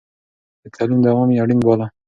د تعليم دوام يې اړين باله.